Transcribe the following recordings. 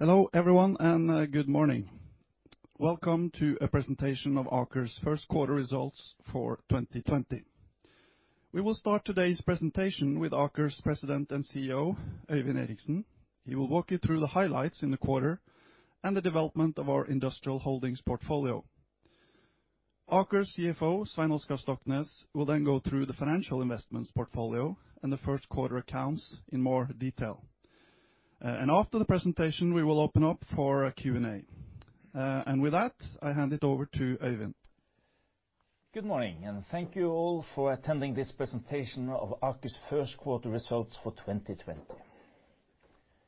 Hello everyone and good morning. Welcome to a presentation of Aker's First Quarter Results For 2020. We will start today's presentation with Aker's President and CEO, Øyvind Eriksen. He will walk you through the highlights in the quarter and the development of our industrial holdings portfolio. Aker's CFO, Svein Oskar Stoknes, will then go through the financial investments portfolio and the first quarter accounts in more detail. And after the presentation, we will open up for a Q&A. And with that, I hand it over to Øyvind. Good morning and thank you all for attending this presentation of Aker's First Quarter Results for 2020.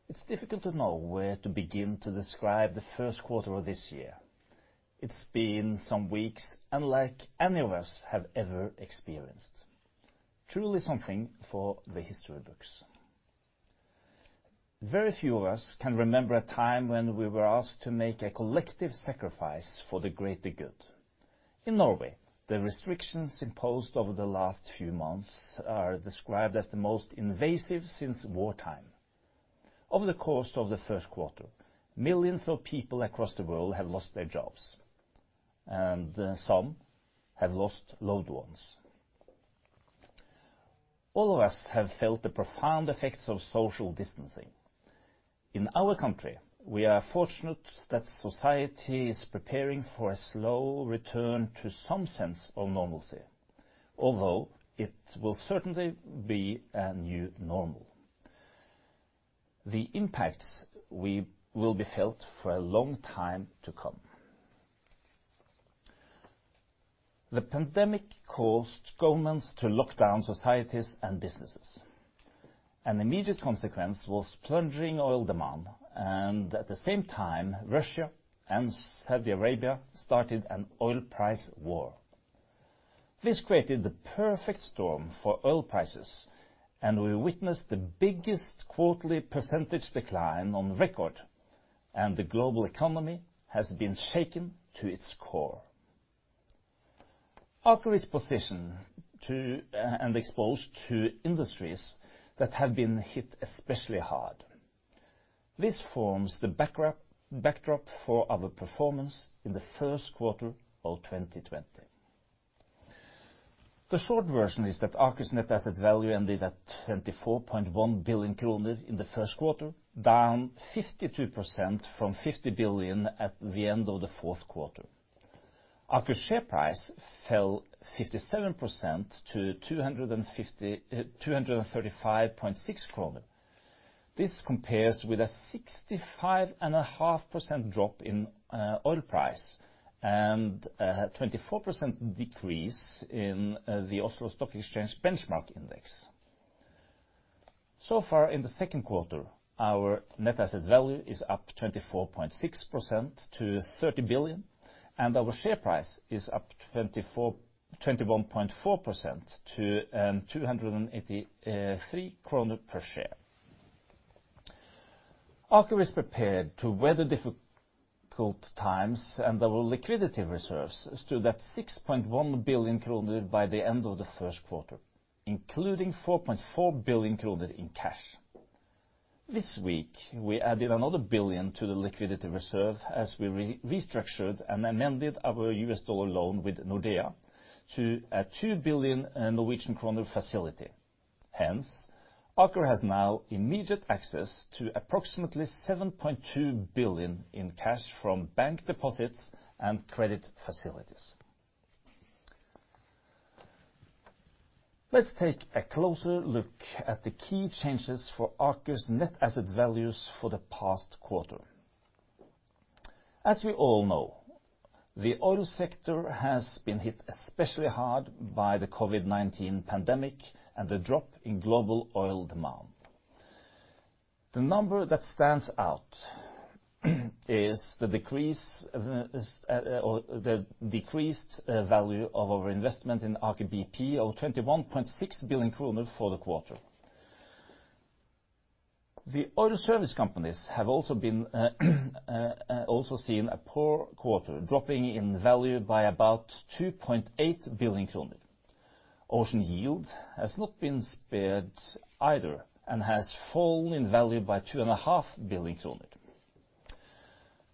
It's difficult to know where to begin to describe the first quarter of this year. It's been some weeks unlike any of us have ever experienced. Truly something for the history books. Very few of us can remember a time when we were asked to make a collective sacrifice for the greater good. In Norway, the restrictions imposed over the last few months are described as the most invasive since wartime. Over the course of the first quarter, millions of people across the world have lost their jobs, and some have lost loved ones. All of us have felt the profound effects of social distancing. In our country, we are fortunate that society is preparing for a slow return to some sense of normalcy, although it will certainly be a new normal. The impacts will be felt for a long time to come. The pandemic caused governments to lock down societies and businesses. An immediate consequence was plunging oil demand, and at the same time, Russia and Saudi Arabia started an oil price war. This created the perfect storm for oil prices, and we witnessed the biggest quarterly percentage decline on record, and the global economy has been shaken to its core. Aker is positioned and exposed to industries that have been hit especially hard. This forms the backdrop for our performance in the first quarter of 2020. The short version is that Aker's net asset value ended at 24.1 billion kroner in the first quarter, down 52% from 50 billion at the end of the fourth quarter. Aker's share price fell 57% to 235.6 kroner. This compares with a 65.5% drop in oil price and a 24% decrease in the Oslo Stock Exchange Benchmark Index. So far, in the second quarter, our net asset value is up 24.6% to 30 billion, and our share price is up 21.4% to NOK 283 per share. Aker is prepared to weather difficult times and our liquidity reserves stood at 6.1 billion kroner by the end of the first quarter, including 4.4 billion kroner in cash. This week, we added another 1 billion to the liquidity reserve as we restructured and amended our U.S. dollar loan with Nordea to a 2 billion in Norwegian kroner facility. Hence, Aker has now immediate access to approximately 7.2 billion in cash from bank deposits and credit facilities. Let's take a closer look at the key changes for Aker's net asset values for the past quarter. As we all know, the oil sector has been hit especially hard by the COVID-19 pandemic and the drop in global oil demand. The number that stands out is the decreased value of our investment in Aker BP of 21.6 billion kroner for the quarter. The oil service companies have also seen a poor quarter, dropping in value by about 2.8 billion kroner. Ocean Yield has not been spared either and has fallen in value by 2.5 billion kroner.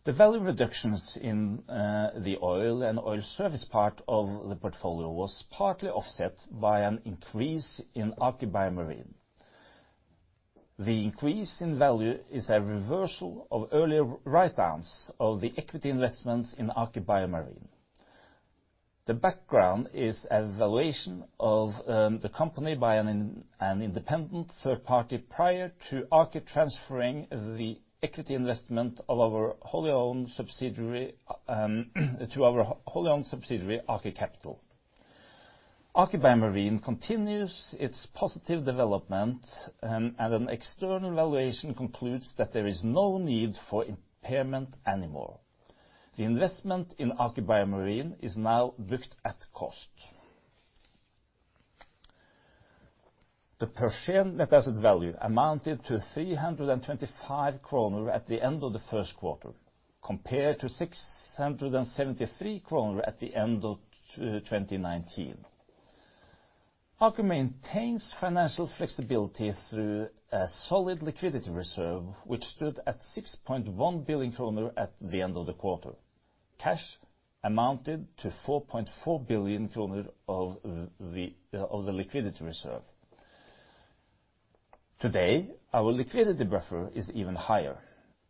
The value reductions in the oil and oil service part of the portfolio were partly offset by an increase in Aker BioMarine. The increase in value is a reversal of earlier write-downs of the equity investments in Aker BioMarine. The background is a valuation of the company by an independent third party prior to Aker transferring the equity investment of our wholly owned subsidiary to our wholly owned subsidiary Aker Capital. Aker BioMarine continues its positive development, and an external valuation concludes that there is no need for impairment anymore. The investment in Aker BioMarine is now booked at cost. The per share net asset value amounted to 325 kroner at the end of the first quarter, compared to 673 kroner at the end of 2019. Aker maintains financial flexibility through a solid liquidity reserve, which stood at 6.1 billion kroner at the end of the quarter. Cash amounted to 4.4 billion kroner of the liquidity reserve. Today, our liquidity buffer is even higher,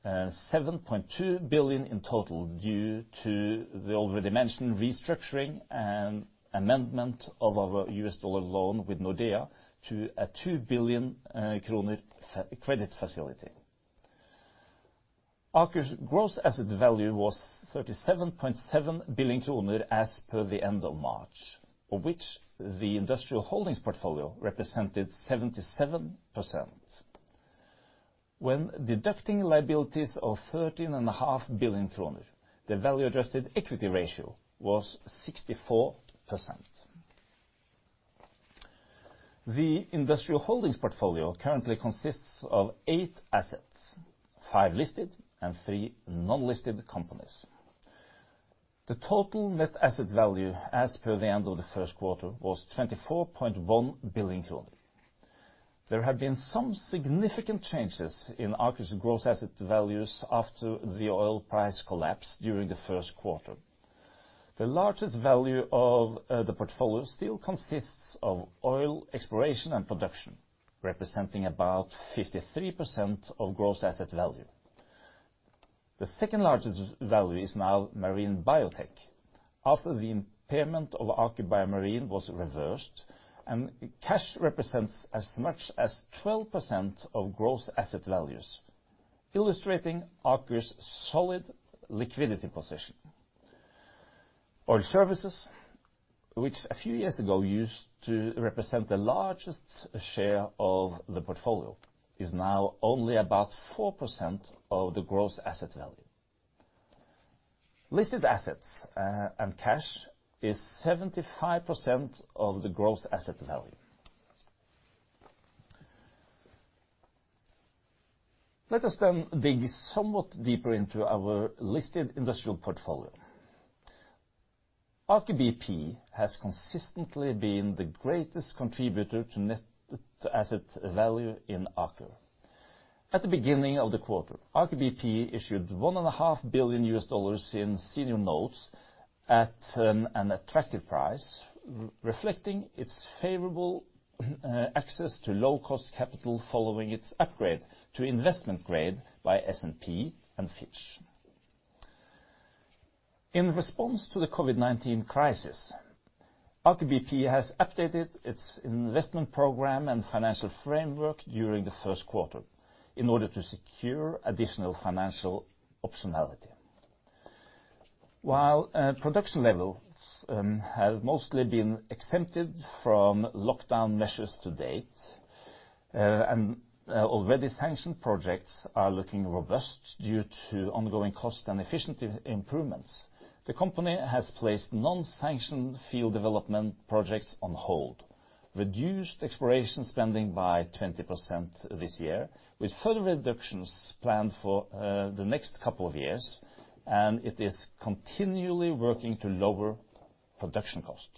7.2 billion in total due to the already mentioned restructuring and amendment of our US dollar loan with Nordea to a 2 billion kroner credit facility. Aker's gross asset value was 37.7 billion kroner as per the end of March, of which the industrial holdings portfolio represented 77%. When deducting liabilities of 13.5 billion kroner, the value-adjusted equity ratio was 64%. The industrial holdings portfolio currently consists of eight assets, five listed and three non-listed companies. The total net asset value as per the end of the first quarter was 24.1 billion kroner. There have been some significant changes in Aker's gross asset values after the oil price collapse during the first quarter. The largest value of the portfolio still consists of oil exploration and production, representing about 53% of gross asset value. The second largest value is now marine biotech. After the impairment of Aker BioMarine was reversed, cash represents as much as 12% of gross asset values, illustrating Aker's solid liquidity position. Oil services, which a few years ago used to represent the largest share of the portfolio, are now only about 4% of the gross asset value. Listed assets and cash are 75% of the gross asset value. Let us then dig somewhat deeper into our listed industrial portfolio. Aker BP has consistently been the greatest contributor to net asset value in Aker. At the beginning of the quarter, Aker BP issued NOK 1.5 billion in senior notes at an attractive price, reflecting its favorable access to low-cost capital following its upgrade to investment grade by S&P and Fitch. In response to the COVID-19 crisis, Aker BP has updated its investment program and financial framework during the first quarter in order to secure additional financial optionality. While production levels have mostly been exempted from lockdown measures to date, and already sanctioned projects are looking robust due to ongoing cost and efficiency improvements, the company has placed non-sanctioned field development projects on hold, reduced exploration spending by 20% this year, with further reductions planned for the next couple of years, and it is continually working to lower production costs.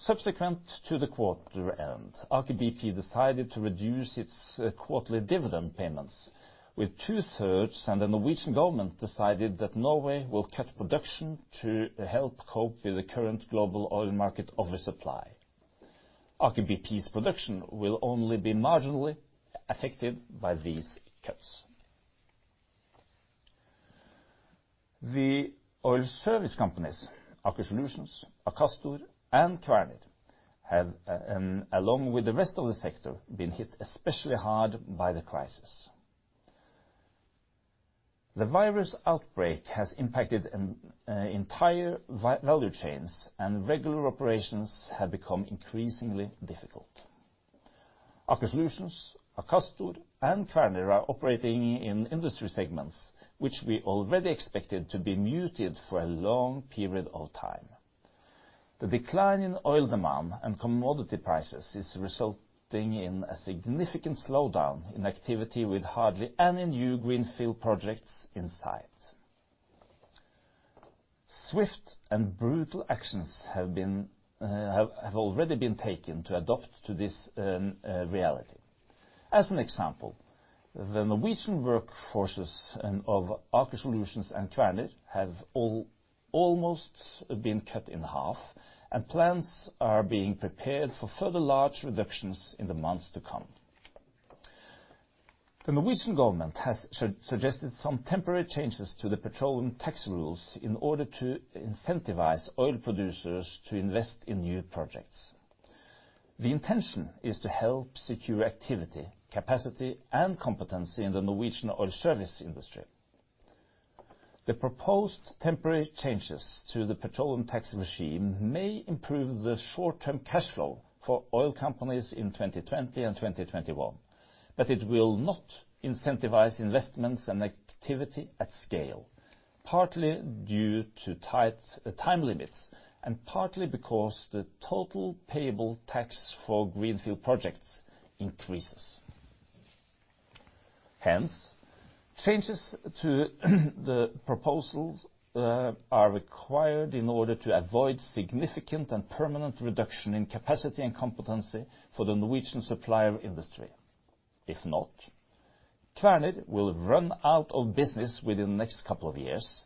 Subsequent to the quarter end, Aker BP decided to reduce its quarterly dividend payments with two-thirds, and the Norwegian government decided that Norway will cut production to help cope with the current global oil market oversupply. Aker BP's production will only be marginally affected by these cuts. The oil service companies Aker Solutions, Akastor, and Kvaerner, along with the rest of the sector, have been hit especially hard by the crisis. The virus outbreak has impacted entire value chains, and regular operations have become increasingly difficult. Aker Solutions, Akastor, and Kvaerner are operating in industry segments which we already expected to be muted for a long period of time. The decline in oil demand and commodity prices is resulting in a significant slowdown in activity, with hardly any new greenfield projects in sight. Swift and brutal actions have already been taken to adapt to this reality. As an example, the Norwegian workforces of Aker Solutions and Kvaerner have almost been cut in half, and plans are being prepared for further large reductions in the months to come. The Norwegian government has suggested some temporary changes to the petroleum tax rules in order to incentivize oil producers to invest in new projects. The intention is to help secure activity, capacity, and competency in the Norwegian oil service industry. The proposed temporary changes to the petroleum tax regime may improve the short-term cash flow for oil companies in 2020 and 2021, but it will not incentivize investments and activity at scale, partly due to tight time limits and partly because the total payable tax for greenfield projects increases. Hence, changes to the proposals are required in order to avoid significant and permanent reduction in capacity and competency for the Norwegian supplier industry. If not, Kvaerner will run out of business within the next couple of years,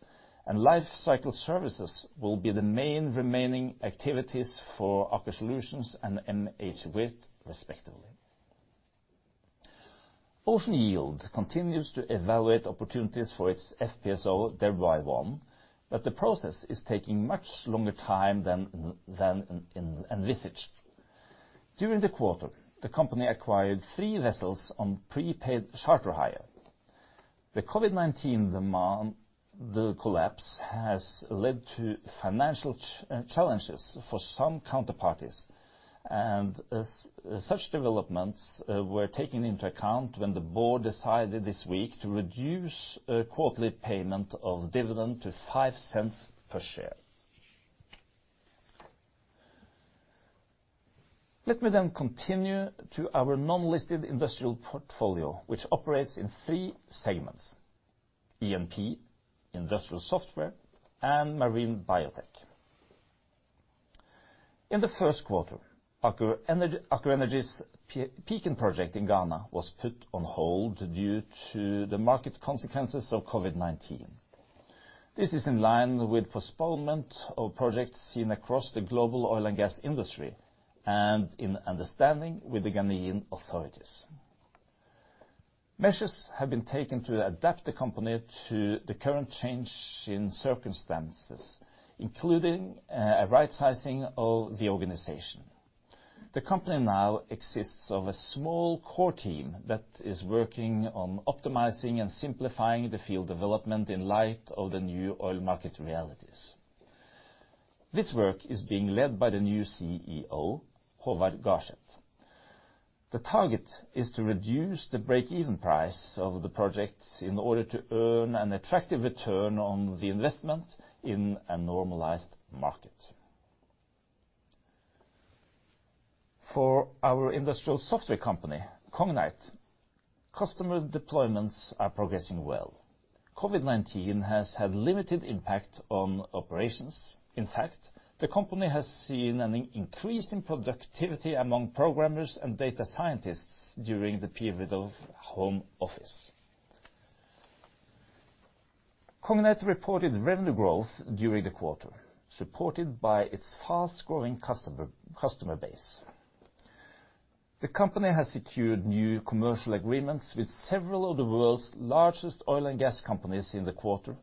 and life cycle services will be the main remaining activities for Aker Solutions and MHWirth, respectively. Ocean Yield continues to evaluate opportunities for its FPSO Dhirubhai-1, but the process is taking much longer time than envisaged. During the quarter, the company acquired three vessels on prepaid charter hire. The COVID-19 demand collapse has led to financial challenges for some counterparties, and such developments were taken into account when the board decided this week to reduce quarterly payment of dividend to $0.05 per share. Let me then continue to our non-listed industrial portfolio, which operates in three segments: E&P, Industrial Software, and Marine Biotech. In the first quarter, Aker Energy's Pecan project in Ghana was put on hold due to the market consequences of COVID-19. This is in line with postponement of projects seen across the global oil and gas industry and in understanding with the Ghanaian authorities. Measures have been taken to adapt the company to the current change in circumstances, including a right-sizing of the organization. The company now consists of a small core team that is working on optimizing and simplifying the field development in light of the new oil market realities. This work is being led by the new CEO, Håvard Garseth. The target is to reduce the break-even price of the project in order to earn an attractive return on the investment in a normalized market. For our industrial software company, Cognite, customer deployments are progressing well. COVID-19 has had limited impact on operations. In fact, the company has seen an increase in productivity among programmers and data scientists during the period of home office. Cognite reported revenue growth during the quarter, supported by its fast-growing customer base. The company has secured new commercial agreements with several of the world's largest oil and gas companies in the quarter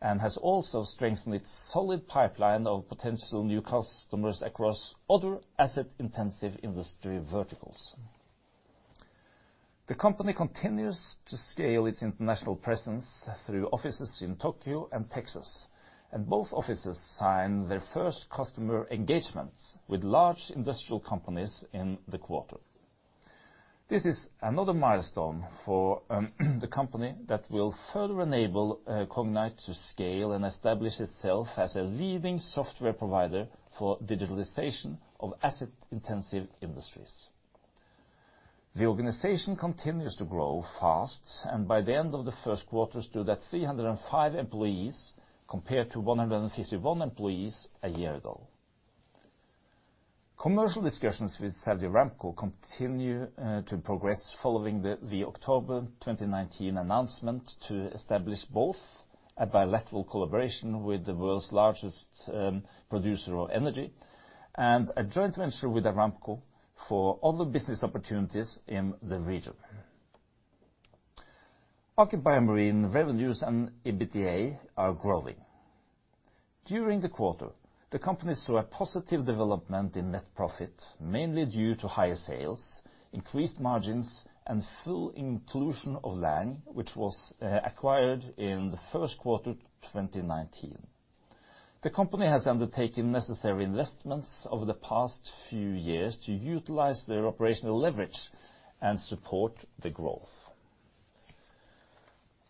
and has also strengthened its solid pipeline of potential new customers across other asset-intensive industry verticals. The company continues to scale its international presence through offices in Tokyo and Texas, and both offices signed their first customer engagements with large industrial companies in the quarter. This is another milestone for the company that will further enable Cognite to scale and establish itself as a leading software provider for digitalization of asset-intensive industries. The organization continues to grow fast, and by the end of the first quarter, it stood at 305 employees compared to 151 employees a year ago. Commercial discussions with Saudi Aramco continue to progress following the October 2019 announcement to establish both a bilateral collaboration with the world's largest producer of energy and a joint venture with Aramco for other business opportunities in the region. Aker BioMarine revenues and EBITDA are growing. During the quarter, the company saw a positive development in net profit, mainly due to higher sales, increased margins, and full inclusion of Lang, which was acquired in the first quarter 2019. The company has undertaken necessary investments over the past few years to utilize their operational leverage and support the growth.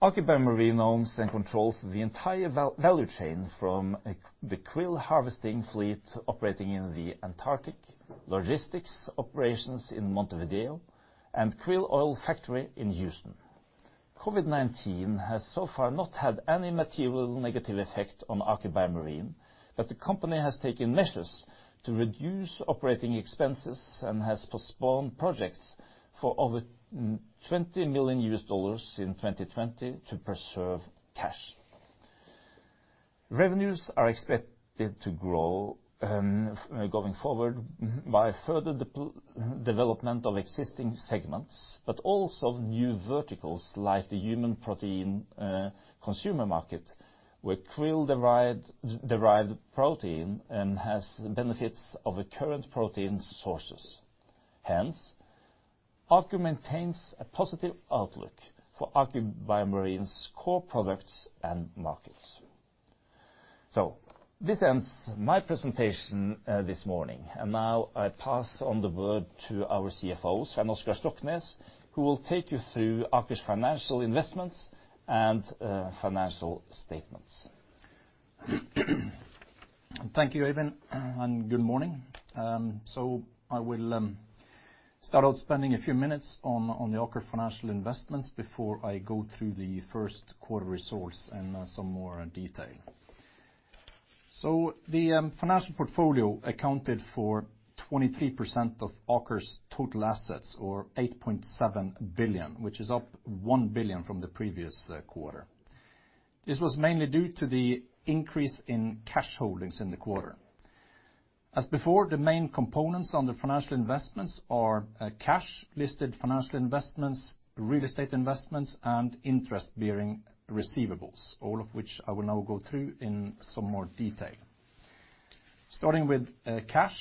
Aker BioMarine owns and controls the entire value chain from the krill harvesting fleet operating in the Antarctic, logistics operations in Montevideo, and krill oil factory in Houston. COVID-19 has so far not had any material negative effect on Aker BioMarine, but the company has taken measures to reduce operating expenses and has postponed projects for over $20 million in 2020 to preserve cash. Revenues are expected to grow going forward by further development of existing segments, but also new verticals like the human protein consumer market, where krill-derived protein has benefits of the current protein sources. Hence, Aker maintains a positive outlook for Aker BioMarine's core products and markets. So this ends my presentation this morning, and now I pass on the word to our CFO, Svein Oskar Stoknes, who will take you through Aker's financial investments and financial statements. Thank you, Øyvind, and good morning. So I will start out spending a few minutes on the Aker financial investments before I go through the first quarter results in some more detail. So the financial portfolio accounted for 23% of Aker's total assets, or 8.7 billion, which is up 1 billion from the previous quarter. This was mainly due to the increase in cash holdings in the quarter. As before, the main components under financial investments are cash, listed financial investments, real estate investments, and interest-bearing receivables, all of which I will now go through in some more detail. Starting with cash,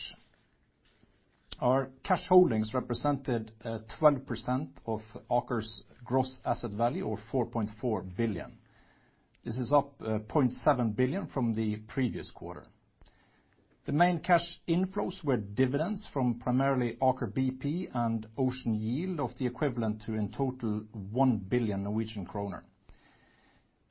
our cash holdings represented 12% of Aker's gross asset value, or 4.4 billion. This is up 0.7 billion from the previous quarter. The main cash inflows were dividends from primarily Aker BP and Ocean Yield, of the equivalent to in total 1 billion Norwegian kroner.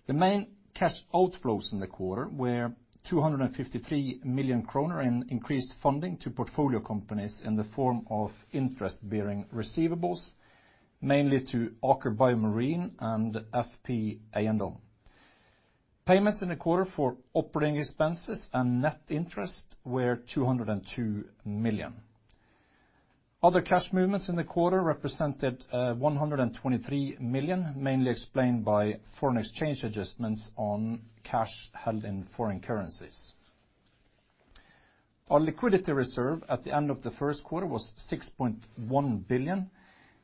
The main cash outflows in the quarter were 253 million kroner in increased funding to portfolio companies in the form of interest-bearing receivables, mainly to Aker BioMarine and FP A&O. Payments in the quarter for operating expenses and net interest were 202 million. Other cash movements in the quarter represented 123 million, mainly explained by foreign exchange adjustments on cash held in foreign currencies. Our liquidity reserve at the end of the first quarter was 6.1 billion,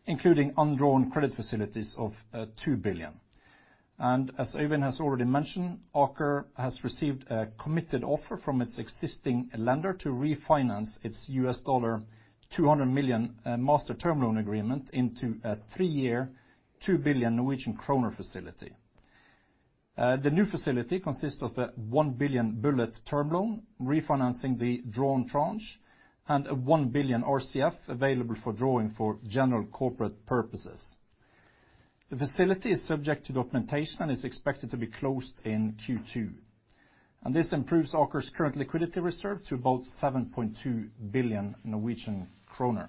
including undrawn credit facilities of 2 billion, and as Øyvind has already mentioned, Aker has received a committed offer from its existing lender to refinance its $200 million master term loan agreement into a three-year 2 billion Norwegian kroner facility. The new facility consists of a 1 billion NOK bullet term loan, refinancing the drawn tranche, and a 1 billion NOK RCF available for drawing for general corporate purposes. The facility is subject to documentation and is expected to be closed in Q2, and this improves Aker's current liquidity reserve to about 7.2 billion Norwegian kroner.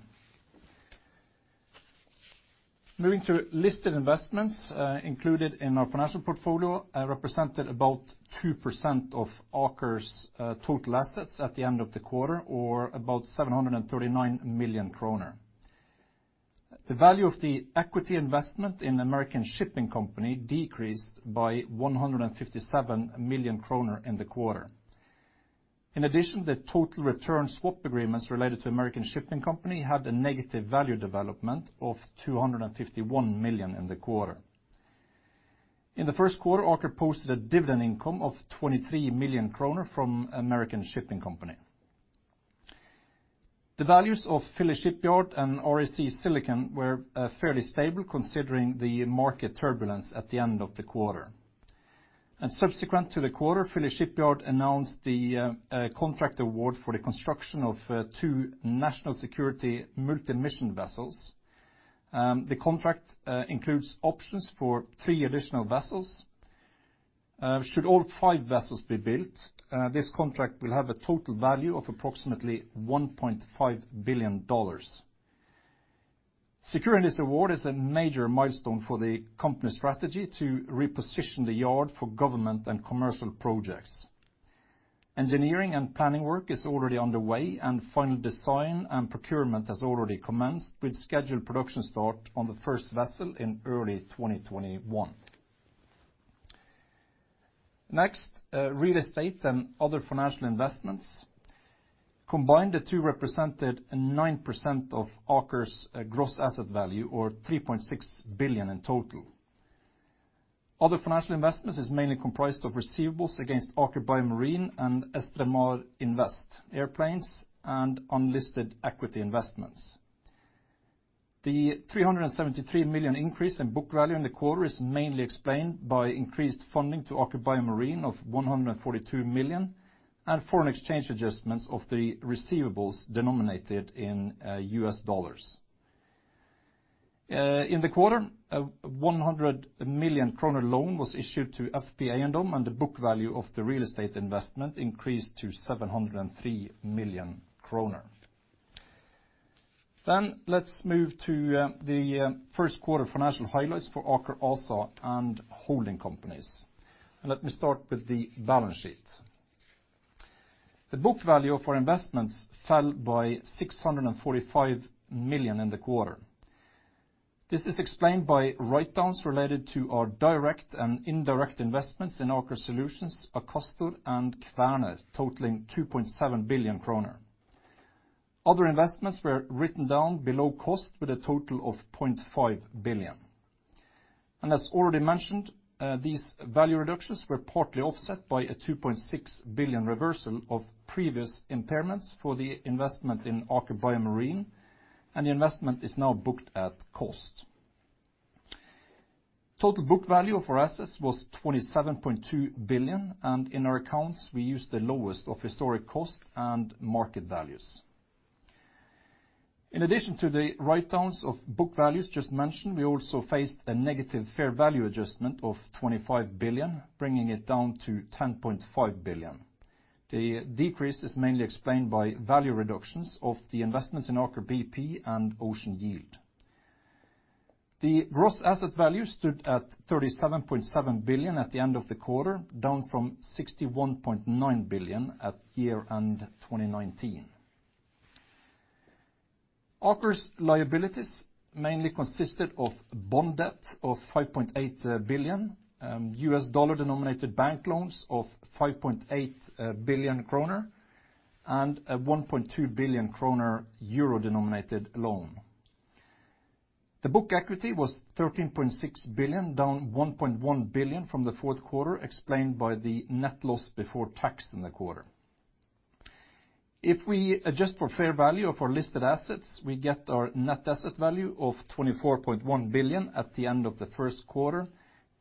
Moving to listed investments, included in our financial portfolio, represented about 2% of Aker's total assets at the end of the quarter, or about 739 million kroner. The value of the equity investment in American Shipping Company decreased by 157 million kroner in the quarter. In addition, the total return swap agreements related to American Shipping Company had a negative value development of 251 million in the quarter. In the first quarter, Aker posted a dividend income of 23 million kroner from American Shipping Company. The values of Philly Shipyard and REC Silicon were fairly stable, considering the market turbulence at the end of the quarter. Subsequent to the quarter, Philly Shipyard announced the contract award for the construction of two National Security Multi-Mission Vessels. The contract includes options for three additional vessels. Should all five vessels be built, this contract will have a total value of approximately $1.5 billion. Securing this award is a major milestone for the company's strategy to reposition the yard for government and commercial projects. Engineering and planning work is already underway, and final design and procurement has already commenced, with scheduled production start on the first vessel in early 2021. Next, real estate and other financial investments. Combined, the two represented 9% of Aker's gross asset value, or 3.6 billion in total. Other financial investments are mainly comprised of receivables against Aker BioMarine and Estremar Invest, airplanes, and unlisted equity investments. The 373 million increase in book value in the quarter is mainly explained by increased funding to Aker BioMarine of 142 million and foreign exchange adjustments of the receivables denominated in USD. In the quarter, a 100 million kroner loan was issued to FP A&O, and the book value of the real estate investment increased to 703 million kroner. Then let's move to the first quarter financial highlights for Aker ASA and holding companies. And let me start with the balance sheet. The book value of our investments fell by 645 million in the quarter. This is explained by write-downs related to our direct and indirect investments in Aker Solutions, Akastor, and Kvaerner, totaling 2.7 billion kroner. Other investments were written down below cost with a total of 0.5 billion. And as already mentioned, these value reductions were partly offset by a 2.6 billion reversal of previous impairments for the investment in Aker BioMarine, and the investment is now booked at cost. Total book value of our assets was 27.2 billion, and in our accounts, we used the lowest of historic cost and market values. In addition to the write-downs of book values just mentioned, we also faced a negative fair value adjustment of 25 billion, bringing it down to 10.5 billion. The decrease is mainly explained by value reductions of the investments in Aker BP and Ocean Yield. The gross asset value stood at 37.7 billion at the end of the quarter, down from 61.9 billion at year-end 2019. Aker's liabilities mainly consisted of bond debt of 5.8 billion, U.S. dollar-denominated bank loans of 5.8 billion kroner, and a 1.2 billion kroner euro-denominated loan. The book equity was 13.6 billion, down 1.1 billion from the fourth quarter, explained by the net loss before tax in the quarter. If we adjust for fair value of our listed assets, we get our net asset value of 24.1 billion at the end of the first quarter,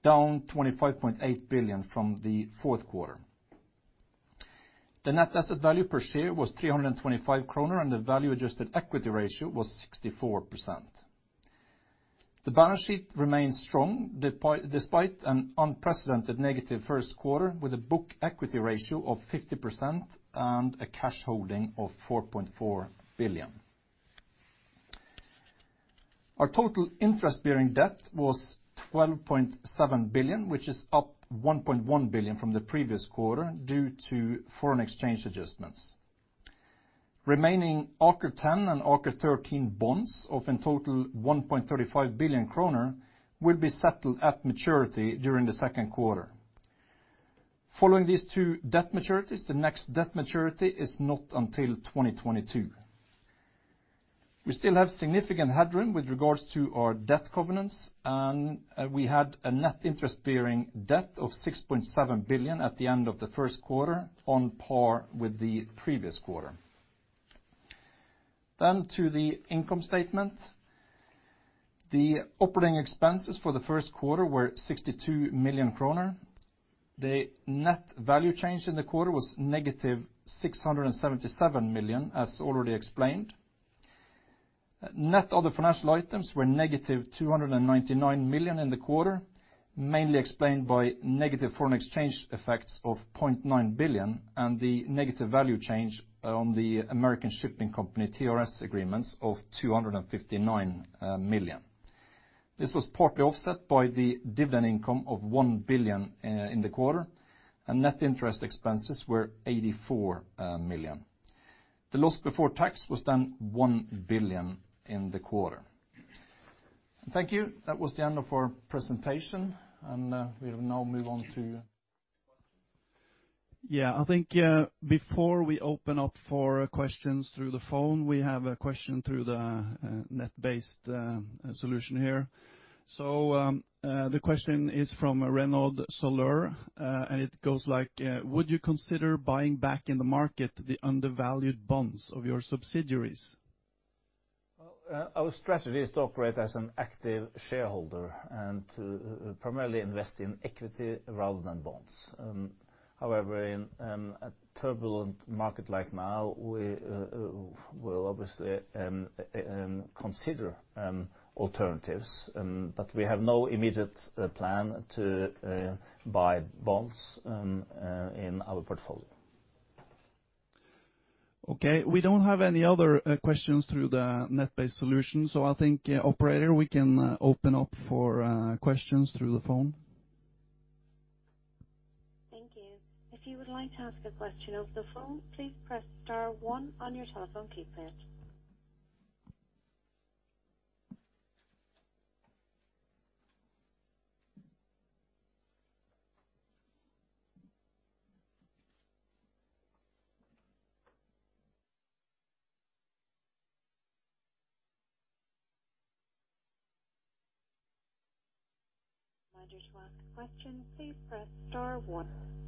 down 25.8 billion from the fourth quarter. The net asset value per share was 325 kroner, and the value-adjusted equity ratio was 64%. The balance sheet remained strong despite an unprecedented negative first quarter, with a book equity ratio of 50% and a cash holding of 4.4 billion. Our total interest-bearing debt was 12.7 billion, which is up 1.1 billion from the previous quarter due to foreign exchange adjustments. Remaining Aker 10 and Aker 13 bonds, of in total 1.35 billion kroner, will be settled at maturity during the second quarter. Following these two debt maturities, the next debt maturity is not until 2022. We still have significant headroom with regards to our debt covenants, and we had a net interest-bearing debt of 6.7 billion at the end of the first quarter, on par with the previous quarter. Then to the income statement. The operating expenses for the first quarter were 62 million kroner. The net value change in the quarter was negative 677 million, as already explained. Net other financial items were negative 299 million in the quarter, mainly explained by negative foreign exchange effects of 0.9 billion and the negative value change on the American Shipping Company TRS agreements of 259 million. This was partly offset by the dividend income of 1 billion in the quarter, and net interest expenses were 84 million. The loss before tax was then 1 billion in the quarter. Thank you. That was the end of our presentation, and we will now move on to questions. Yeah, I think before we open up for questions through the phone, we have a question through the net-based solution here. So the question is from Renaud Saleur, and it goes like, "Would you consider buying back in the market the undervalued bonds of your subsidiaries?" Our strategy is to operate as an active shareholder and to primarily invest in equity rather than bonds. However, in a turbulent market like now, we will obviously consider alternatives, but we have no immediate plan to buy bonds in our portfolio. Okay, we don't have any other questions through the net-based solution, so I think, operator, we can open up for questions through the phone. Thank you. If you would like to ask a question over the phone, please press star one on your telephone keypad. To ask a question, please press star one. Questions over the phone at this time.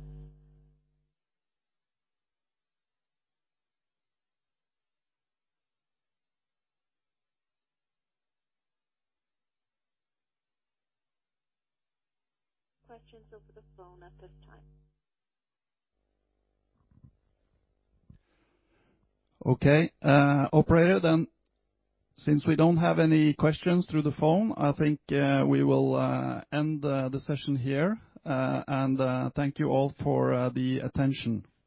Okay, operator, then since we don't have any questions through the phone, I think we will end the session here, and thank you all for the attention. Thank you.